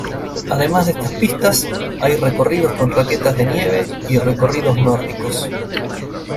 Además de estas pistas, hay recorridos con raquetas de nieve y "recorridos nórdicos".